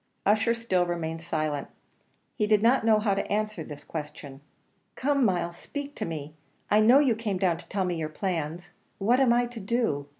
Ussher still remained silent; he did not know how to answer to this question. "Come, Myles, speak to me. I know you came down to tell me your plans. What am I to do?